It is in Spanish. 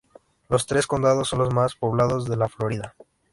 Los tres condados son los más poblados de la Florida.